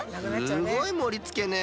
すごいもりつけね。